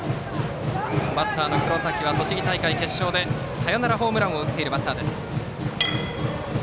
バッターの黒崎は栃木大会決勝でサヨナラホームランを打っているバッターです。